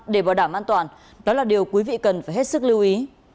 để bảo đảm an toàn đó là điều quý vị cần phải hết sức lưu ý